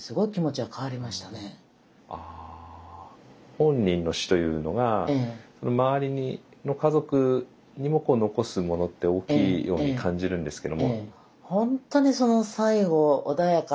本人の死というのが周りの家族にも残すものって大きいように感じるんですけど。